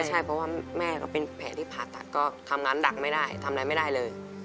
ใช่เพราะว่าแม่ก็เป็นแผลที่ผ่าตัดก็ทำงานดักไม่ได้ทำอะไรไม่ได้เลย